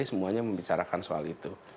semuanya membicarakan soal itu